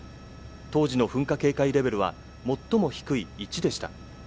当時の噴火警戒レベルは、最も低い１でした。